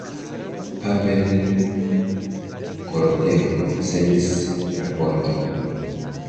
Pavel Korotenko sendis raporton.